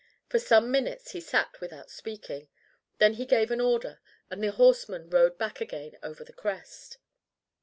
For some minutes he sat without speaking, then he gave an order and the horsemen rode back again over the crest.